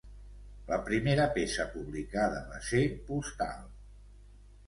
La primera peça publicada va ser ‘Postal’.